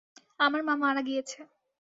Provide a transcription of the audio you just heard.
আমার মা মারা গিয়েছে।